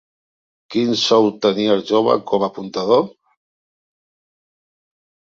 Quin sou tenia el jove com a apuntador?